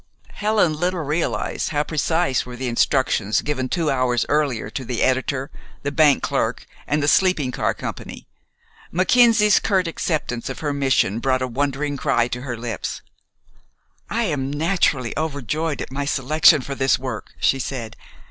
Helen little realized how precise were the instructions given two hours earlier to the editor, the bank clerk, and the sleeping car company. Mackenzie's curt acceptance of her mission brought a wondering cry to her lips. "I am naturally overjoyed at my selection for this work," she said.